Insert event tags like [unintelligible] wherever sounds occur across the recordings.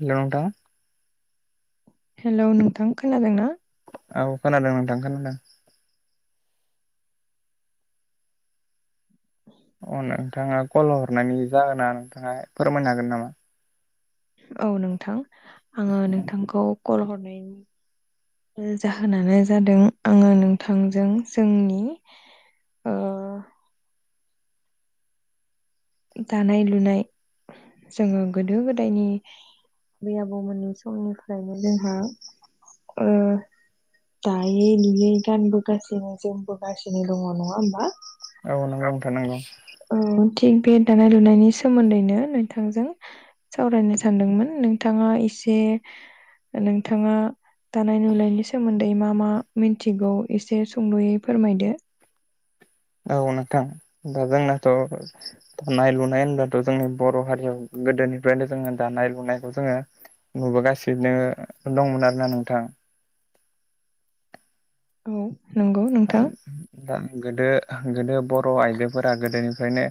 हेल' नोंथां हेलौ नोंथां खोनादों ना औ खोनादों नोंथां खोनादों ओ नोंथाङा कल हरनायनि जाहोना नोंथाङा फोरमायनो हागोन नामा? औ नोंथां आङो नोंथांखौ कल हरनायनि जाहोनानो जादों आङो नोंथांजों जोंनि ओ दानाय लुनाय जोङो गोदो गोदायनि बै आबौमोननि समनिफ्रायनो जोंहा ओ दायो लुयो गानबोगासिनो जोमबोगासिनो दङ' नङा होमबा औ नंगौ नोंथां नंगौ औ थिग बे दानाय लुनायनि सोमोन्दैनो नोंथांजों सावरायनो सानदोंमोन नोंथाङा एसे नोंथाङा दानाय लुनायनि सोमोन्दै मा मा मिनथिगौ एसे सुंद'यै फोरमायदो औ नोंथां दा जोंनाथ' दानाय लुनाय होनब्लाथ' जोंनि बर' हारियाव गोदोनिफ्रायनो जोङो दानाय लुनायखौ जोङो नुबोगासिनो दंमोन आरो ना नोंथां औ नंगौ नोंथां [unintelligible] दा गोदो- गोदो बर' आयजोफोरा गोदोनिफ्रायनो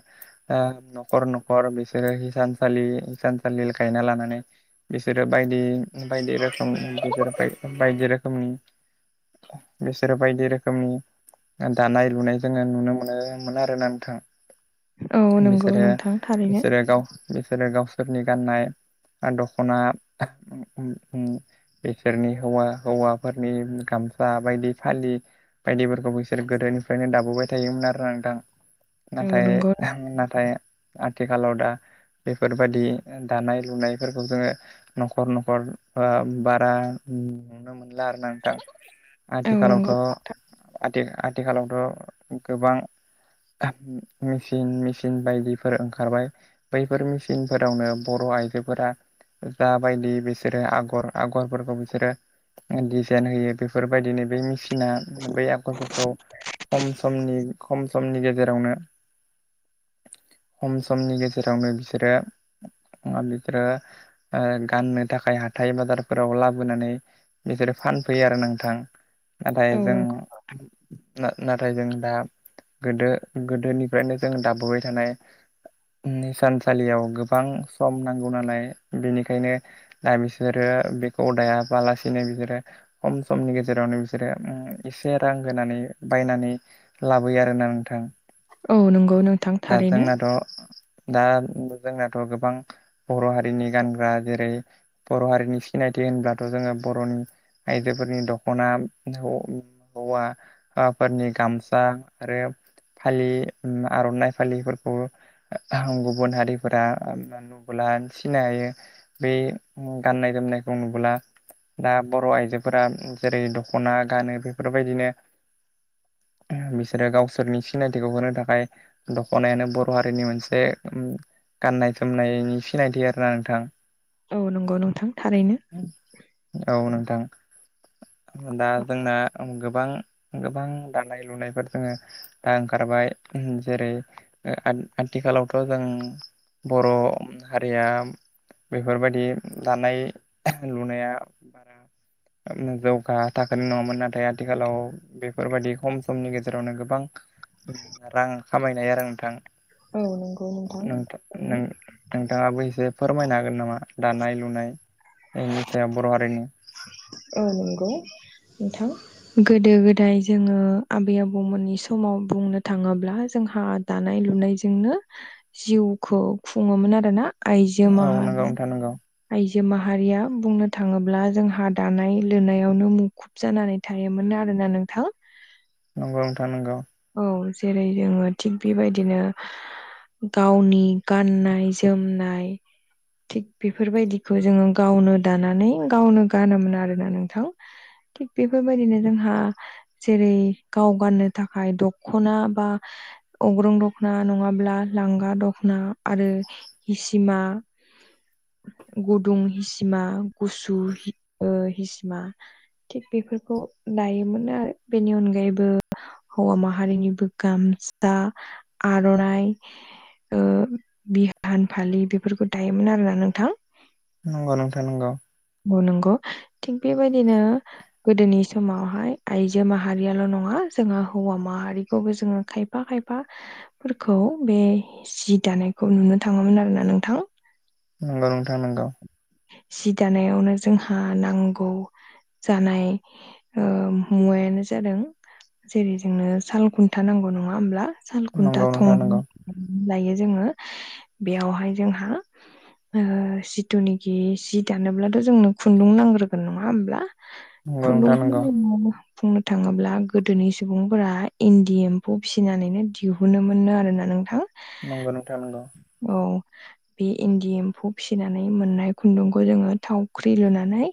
ओ न'खर - न'खर बिसोरो हिसानलि इसानसालि गायना लानानै बिसोरो बायदि -बायदि रोखोम [unintelligible] बायदि रोखोमनि बिसोरो बायदि रो खोमनि दानाय लुनाय जोङो नुनो मोनोमोन आरोना नोंथां औ नंगौ बिसोरो नोंथां थारैनो -बिसोरो गाव बिसोरो गावसोरनि गाननाय दख'ना [unintelligible] बिसोरनि हौवा- हौवाफोरनि गाम सा बायदि फालि बायदिफोरखौ बिसोर गोदोनिफ्रायनो दाबोबाय थायोमोन आरो नोंथां औ नाथाय नंगौ -नाथाय आथिखालाव दा बेफोरबादि दानाय लुनायफोरखौ जोङो न'खर न'खर ओ बारा नुनो मोनला आरो ना नोंथां औ आथिखालावथ' नंगौ नोंथां, आथि -आथिखालावथ' गोबां मेचिन - मेचिन बायदिफोर ओंखारबाय बैफोर मेचिनफोरावनो बर' आइजोफोरा जाबायदि बिसोरो आगर आगरफोरखौ बिसोरो डिजाइन होयो बेफोरबायदिनो बे मेसिना बै आगरफोरखौ खम समनि खम समनि गेजेरावनो [inaudible] खम समनि गेजेरावनो बिसोरो बिसोरो ओ गाननो थाखाय हाथथाय बाजारफोराव लाबोनानै बिसोरो फा फानफैयो आरो नोंथां नाथाय औ जों नंगौ ना - नाथाय जों। दा गोदो गोदोनिफ्रायनो जों दाबोबाय थानाय थानसालियाव गोबां सम नांगौ नालाय बेनिखायनो दा बिसोरो ओ बेखौ दायाबालासिनो बिसोरो खम समनि गेजेरावनो बिसोरो इसे रां होनानै बायनानै लाबोयो आरोना नोंथां। औ नंगौ नोंथां दा थारैनो जोंनाथ' दा जोंनाथ' गोबां बर' हारिनि गानग्रा जेरै बर' हारिनि सिनायथि होनब्लाथ' जोङो बर'नि आइजोफोरनि दख'ना [unintelligible] हौवाफोरनि गामसा आरो फालि आर'नाइ फालिफोरखौ गुबुन हारिफोरा नुुब्ला सिनाय हायो बै गाननाय जोमनायखौ नुबोला। दा बर' आइजोफोरा जेरै दख'ना गानो बेफोरबायदिनो [inaudible] बिसोरो गावसोरनि सिनायथिखौ होनो थाखाय दख'नायानो बर' हारिनि मोनसे गाननाय जोमनायनि सिनायथि आरोना नोंथां। औ नंगौ नोंथां थारैनो औ नोंथां। दा जोंना गोबां गोबां दानाय लुनायफोर जोङो दा ओंखारबाय जेरै आथिखालावथ' जों बर' हारिया बेफोरबायादि दानाय लुनाया जौगा थाखोनो नङामोन आरो नाथाय आथिखालाव बेफोरबदि खम समनि गेजेरावनो गोबां रां खामायनाय आरो नोंथां औ नंगौ नोंथां नों नोंथाङाबो एसे फोरमायनो हागोन नामा दानाय लुनाय? इनिस बर' हारिनि। औ नंगौ। नोंथां गोदो गोदाय जोङो आबै आबौमोननि समाव बुंनो थाङोब्ला जों हा दानाय लुनायजोंनो जिउखौ खुङोमोन आरो ना। आइजो औ माहारि नंगौ नोंथां नंगौ आइजो माहारिया बुंनो थाङोब्ला जोंहा दानाय लुनायावनो मुखुब जानानै थायोमोन आरोना नोंथां। नंगौ नोंथां नंगौ। जेरै जोङो थिग बेबायदिनो गावनि गाननाय जोमनाय थिग बेफोरबायदिखौ जोङो गावनो दानानै गावनो गानोमोन आरोना नोंथां। थिग बेफोरबायदिनो जोंहा जेरै गाव गाननो थाखाय दख'ना बा अग्रुं दख'ना नङाब्ला लांगा दख'ना आरो हिसिमा। गुदुं हिसिमा गुसु ओ हिसिमा। थिग बेफोरखौ दायोमोन आरो बेनि अनगायैबो हौवा माहारिनिबो गामसा आर'नाइ ओ बिहान फालि बेफोरखौ दायोमोन आरोना नोंथां। नंगौ नोंथां नंगौ। नंगौ थिग बेबायदिनो गोदोनि समावहाय आइजो माहारियाल' नङा जोङो हौवा माहारिखौबो जोङो खायफा खायफाफोरखौ बे जि दानायखौ नुनो थाङोमोन आरोना नोंथां। नंगौ नोंथां नंगौ। सि दानायावनो जोंहा नांगौ जानाय ओ मुवायानो जादों जेरै जोंनो साल खुन्था नांगौ नङा होमब्ला साल खुन्था नंगौ थं नोंथां नंगौ [unintelligible] जायो जोङो बेयावहाय जोंहा ओ सिथुनिखि सि दानोब्लाथ' जोंनो खुन्दुं नांग्रोगोन नङा होमब्ला? खुन्दुं बुंनो [unintelligible] थाङोब्ला गो गोदोनि सुबुंफोरा इन्दि एम्फौ फिसिनानैनो दिहुनो मोनो आरोना नोंथां। नंगौ नोंथां नंगौ। औ बे इन्दि एम्फौ फिसिनानै मोननाय खुन्दुंखौ जोङो थावख्रि लुनानै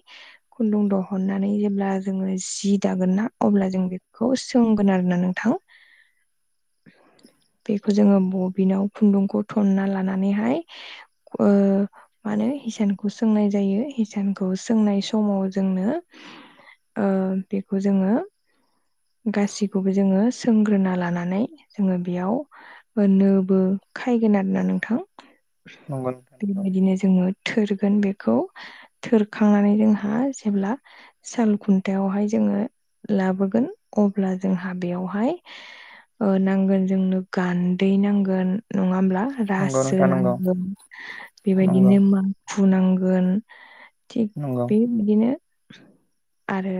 खुन्दुं दहननानै जेब्ला जोङो जि दागोन ना अब्ला जों बे खौ सोंगोन आरोना नोंथां। बेखौ जोङो बबिनाव खुन्दुंखौ थनना लानानैहाय ओ माने हिसानखौ सोंनाय जायो हिसानखौ सोंनाय समाव जोंनो। बेखौ जोङो। गासिखौबो जोङो सोंग्रोना लानानै जोङो बेयाव नोबो। खायगोन आरोना नोंथां नंगौ नोंथां बेबायदिनो जोङो थोरगोन बेखौ थोरखांनानै जोंहा जेब्ला साल खुन्थायायावहाय जों लाबोगोन अब्ला जोंहा बेयावहाय नांगोन जोंनो गान्दै नांगोन नङा होमब्ला नंगौ रासो नोंथां नंगौ नोंथां नंगौ नांगोन नंगौ बेबायदिनो माखु नांगोन। थिग नंगौ बे बिदिनो आरो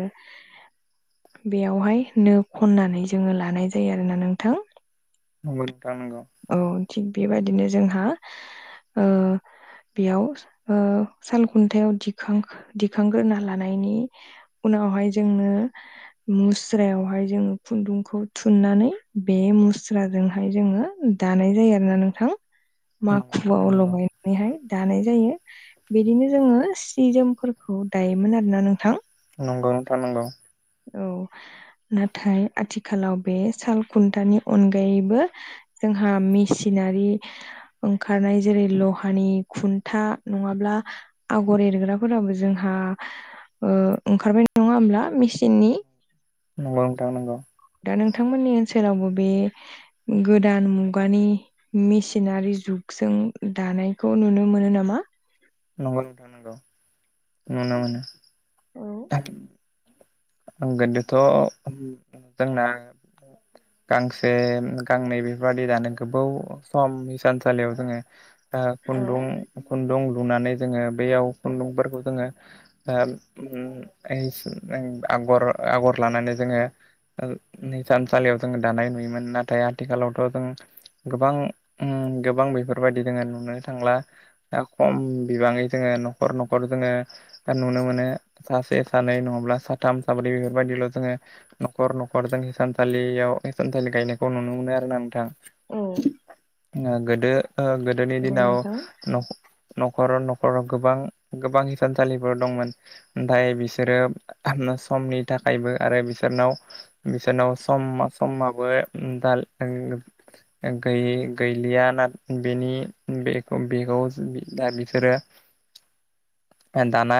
बेयाव यावहाय नो खननानै जोङो लानाय जायो आरोना नोंथां। नंगौ नोंथां नंगौ औ थिग बेबायदिनो जोंहा ओ बेयाव ओ सालखुन्थायाव दिखां दिखांग्रोना लानायनि उनाव उनाव हाय जोङो मुस्रायावहाय जोङो खुन्दुंखौ थुननानै बे मु स्राजोंहाय जोङो दानाय जायो आरो ना नोंथां नंगौ माखुआव नोंथां नंगौ लगायनानैहाय दानाय जायो। बिदिनो जोङो सि जोमफोरखौ दायोमोन आरोना नोंथां। नंगौ नोंथा नंगौ। औ नाथाय आथिखालाव बे साल खुन्थानि अनगायैबो। जोंहा मेसिनारि ओंखारनाय जेरै लहानि खुन्था नङाब्ला। आगर एरग्राफोराबो जोंहा ओ ओंखारबाय नङा होमब्ला मिसि [unintelligible] नंगौ नोंथां नंगौ दा नोंथांमोननि ओनसोलावबो बे गोदान मुगानि मेसिनारि जुग जों दानायखौ नुनो मोनो नामा। नंगौथां नंगौ नुनो मोनो औ [inaudible] आंगोनदोथ' जोंना। गांसे गांनै बेफोरबादि दानो गोबाव सम हिसानलियाव जोङो औ खुन्दुं खुन्दुं रुनानै जोङो बैयाव खुन्दुंफोरखौ जोङो ओ [unintelligible] आगर आगर लानानै जोङो निसान सालियाव जों दानाय नुयोमोन नाथाय आथिखालावथ' जों गोबां गोबां बेफोरबायदि जोङो नुनो थांला दा खम बिबाङै जोङो न'खर न'खर जोङो नुनो मोनो सासे सानै नङाब्ला स साथाम साब्रै बेफोरबायदिल' जोङो न'खर न'खर जों सानसालियाव हिसानलि गायनायखौ नुनो मोनो आरो। नोंथां औ ओ गोदो ओ गोदोनि नंगौ दिनाव नोंथां। नख नख न'खराव न'खराव गोबां गोबां हिसानलिफोर दंमोन नओमथा बिसोरो समनि थाखायबो आरो बिसोरनाव बिसोरनाव सम समाबो [unintelligible] गै गैलिया। [unintelligible] दा बेफोरो। [unintelligible] दाना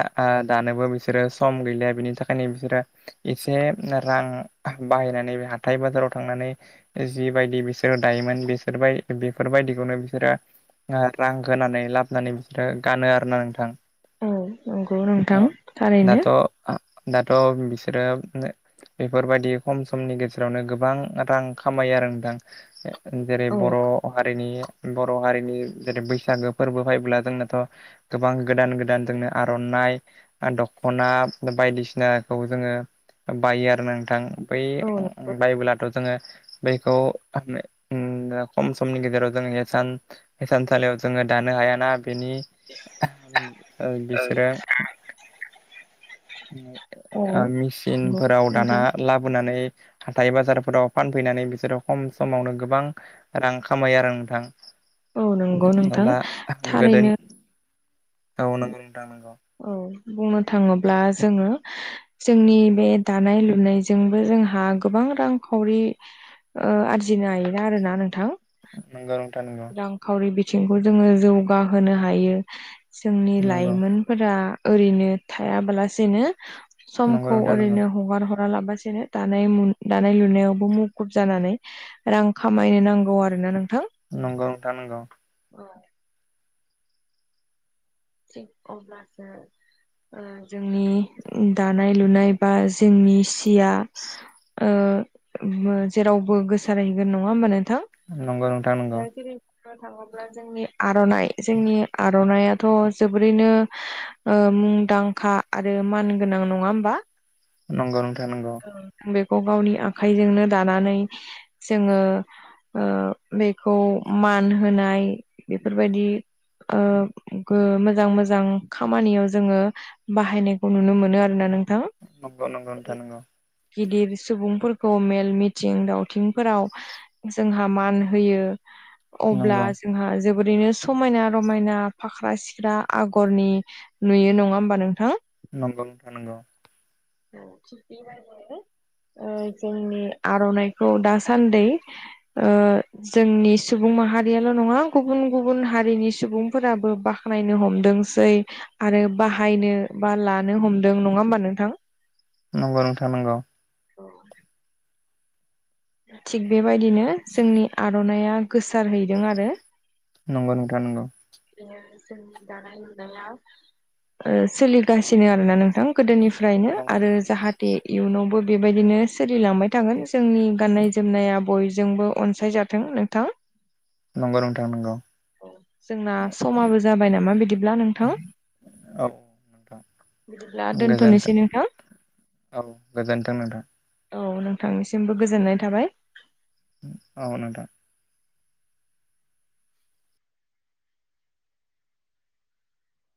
दानोबो बिसोरो सम गैलिया बिनि थाखायनो बिसोरो एसे रां बाहायनानै बे हाथाय बाजाराव थांनानै जिबायायदि बिसोरो दायोमोन बिसोरबाय बेफोरबायदिखौनो बिसोरो रां होनानै लाबोनानै बिसोरो गानो आरो ना नोंथां औ नंगौ नोंथां थारैनो। दाथ दाथ बिसोर उम बेफोरबायदि खम समनि गेजेरावनो गोबां रां खामायो आरो नोंदां जेरै औ बर' हारिनि बर' हारिनि जेरै बैसागो फोरबो फैब्ला जोंनाथ गोबां गोदान गोदान जोंनो आरनाइ दखना बायदिसिनाखौ जोङो बायो आरो नोंथां बै औ बाइबोलाथ जोङो बेखौ फाननो उम्म खम समनि गेजेराव हिसान हिसानसालियाव जोङो दानो हायाना बेनि ओ बिसोरो ओ नंगौ नंगौ मेसिनफोराव नोंथां। दाना लाबोनानै हाथाइ बाजारफोराव फानफैनानै बिसोरो खम समावनो गोबां रां खामायो आरो औ नंगौ नोंथां। नोंथां दा गोदो थारैनो औ नोंगौ नोंथां नोंगौ। औ बुंनो थाङोब्ला जोङो जोंनि बे दानाय लुनायजोंबो जों हा गोबां रांखावरि ओ आरजिनो हायोना आरोना नोंथां? नोंगौ नोंथां नोंगौ। रांखावरि बिथिंखौ जोङो जौगाहोनो हायो जोंनि नंगौ लाइमोन फ्रा ओैरैनो थाया बालासेनो नंगौ समखौ नोंथां नंगौ ओैरैनो हगार हरा रा लाबासेनो दानाय मु दानाय लुनायावबो मुखुब जानानै रां खामायनो नांगौ आरो ना नोंथां। नंगौ नोंथां नंगौ। अ। अब्लासो ओ जोंनि दानाय लुनाय बा जोंनि [unintelligible] ओ जेरावबो गोसारहैगोन नङा होनबा नों नंगौ नोंथां नंगौ। नो थाङोब्ला जोंनि आरनाइ जोंनि आरनाइआ थ जोबोरैनो मुंदांखा आरो मान गोनां नङा होमबा? नंगौ नोंथां नंगौ। गाव गावनि आखाइजोंनो दानानै जोङो ओ बेखौ मान होनाय बेफोरबायदि ओ गो मोजां मोजां खामानियाव जोङो बाहायनायखौ नुनो मोनो आरोना नों नंगौ नंगौ नोंथां नंगौ। गिदिर सुबुंफोरखौ मेल मिथिं दावथिंफोराव जोंहा मान होयो। अब्ला नंगौ जोंहा जोबोरैनो समायना रमायना फाख्रा सिख्रा आगरनि नुयो नङा होमबा नोंथां? नंगौ नोंथां नंगौ। [unintelligible] ओ जोंनि आरनाइखौ दासान्दै ओ जोंनि सुबुं माहारियाल नङा गुबुन गुबुन हारिनि सुबुंफोराबो बाख्नायनो हमदोंसै आरो बाहायनो बा लानो हमदों नङा होमबा नोंथां? नंगौ नोंथां नंगौ। औ। थिग बेबायदिनो जोंनि आरनाइआ गोसारहैदों आरो। नंगौ नोंथां नंगौ। बेनो जोंनि दानाय लुनाया ओ सोलिगासिनो आरोना नों थां गोदोनिफ्रायनो नंगौ आरो जाहाथे इयुनावबो बेबायदिनो सोलिलांबाय थागोन जोंनि जोंबो अनसायजाथों नोंथां नंगौ नोंथां नंगौ। जोंना समाबो जाबाय नामा बिदिब्ला नोंथां? औ नोंथां बिदिब्ला गोजोनथों दोनथ'नोसै नोंथां। औ गोजोन्थों नोंथां। औ नोंथांनिसिमबो गोजोननाय थाबाय। औ नोंथां।